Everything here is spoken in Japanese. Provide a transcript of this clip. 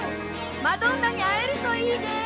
マドンナに会えるといいね！